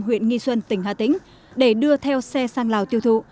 huyện nghi xuân tỉnh hà tĩnh để đưa theo xe sang lào tiêu thụ